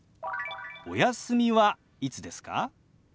「お休みはいつですか？」。